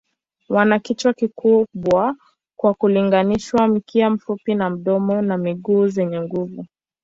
Wana kichwa kikubwa kwa kulinganisha, mkia mfupi na domo na miguu zenye nguvu.